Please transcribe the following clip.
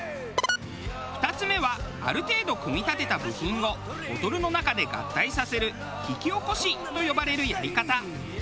２つ目はある程度組み立てた部品をボトルの中で合体させる引き起こしと呼ばれるやり方。